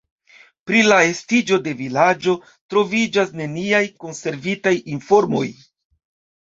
Pri la estiĝo de vilaĝo troviĝas neniaj konservitaj informoj.